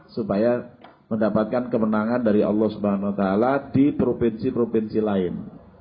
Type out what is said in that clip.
supaya mendapatkan kemenangan dari allah swt di provinsi provinsi lain